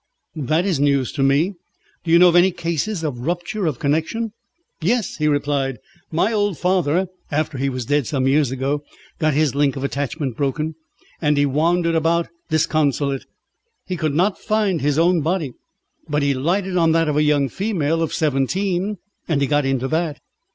"This is news to me. Do you know of any cases of rupture of connection?" "Yes," he replied. "My old father, after he was dead some years, got his link of attachment broken, and he wandered about disconsolate. He could not find his own body, but he lighted on that of a young female of seventeen, and he got into that.